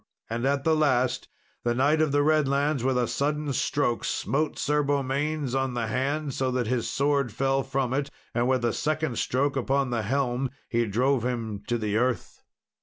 And at the last, the Knight of the Redlands with a sudden stroke smote Sir Beaumains on the hand, so that his sword fell from it, and with a second stroke upon the helm he drove him to the earth.